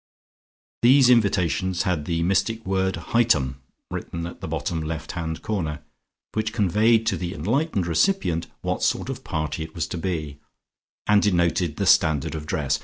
These invitations had the mystic word "Hightum" written at the bottom left hand corner, which conveyed to the enlightened recipient what sort of party it was to be, and denoted the standard of dress.